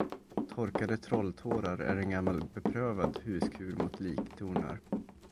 Torkade trolltårar är en gammal beprövad huskur mot liktornar.